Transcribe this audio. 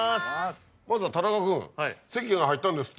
田中君籍が入ったんですって？